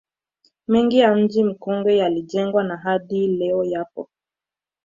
Mengi ya mji Mkongwe yalijengwa na hadi leo yapo